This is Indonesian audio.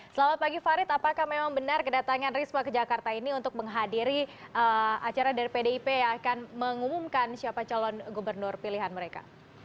selamat pagi farid apakah memang benar kedatangan risma ke jakarta ini untuk menghadiri acara dari pdip yang akan mengumumkan siapa calon gubernur pilihan mereka